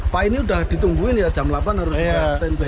pak ini sudah ditungguin ya jam delapan harus stand by